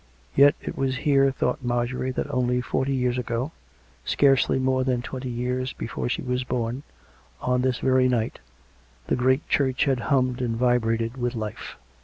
Yet it was here, thought Marjorie, that only forty years ago, scarcely more than twenty years before she was born, on this very Night, the great church had hummed and vibrated with life.